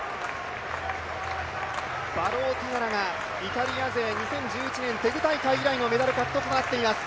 バローティガラがイタリア勢、２０１１年テグ大会以来のメダル獲得となっています。